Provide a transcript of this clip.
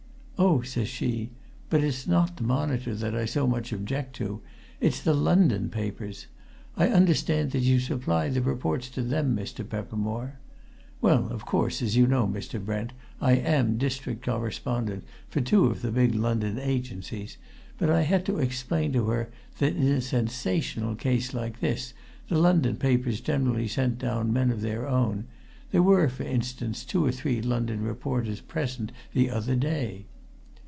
'Oh,' says she. 'But it's not the Monitor that I so much object to it's the London papers. I understand that you supply the reports to them, Mr. Peppermore.' Well, of course, as you know, Mr. Brent, I am district correspondent for two of the big London agencies, but I had to explain to her that in a sensational case like this the London papers generally sent down men of their own: there were, for instance, two or three London reporters present the other day.